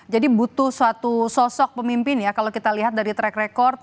butuh suatu sosok pemimpin ya kalau kita lihat dari track record